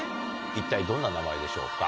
一体どんな名前でしょうか？